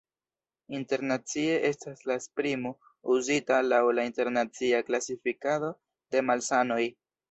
Internacie estas la esprimo uzita laŭ la internacia klasifikado de malsanoj.